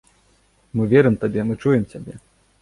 Мы верым табе, мы чуем цябе.